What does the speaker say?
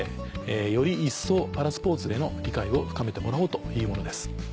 より一層パラスポーツへの理解を深めてもらおうというものです。